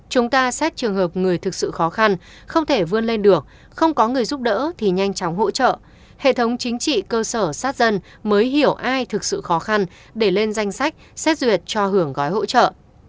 chúng ta xét trường hợp người thực sự khó khăn không thể vươn lên được không có người giúp đỡ thì nhanh chóng hỗ trợ hệ thống chính trị cơ sở sát dân mới hiểu ai thực sự khó khăn để lên danh sách xét duyệt cho hưởng gói hỗ trợ